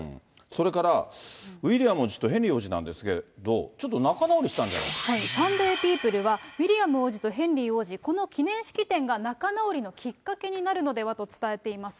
それからウィリアム王子とヘンリー王子なんですけど、サンデー・ピープルは、ウィリアム王子とヘンリー王子、この記念式典が仲直りのきっかけになるのではと伝えています。